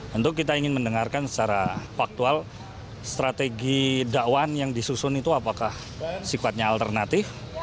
tentu kita ingin mendengarkan secara faktual strategi dakwaan yang disusun itu apakah sifatnya alternatif